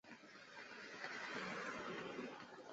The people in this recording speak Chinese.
贵州卵叶报春为报春花科报春花属下的一个种。